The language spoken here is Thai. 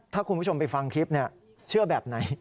ถ้าคุณผู้ชมไปฟังคลิปเชื่อแบบไหน